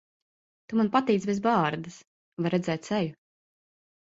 Tu man patīc bez bārdas. Var redzēt seju.